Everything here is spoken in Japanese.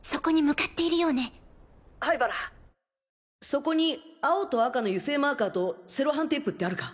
そこに青と赤の油性マーカーとセロハンテープってあるか？